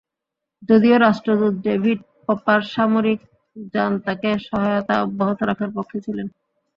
যদিও রাষ্ট্রদূত David Popper সামরিক জান্তাকে সহায়তা অব্যাহত রাখার পক্ষে ছিলেন।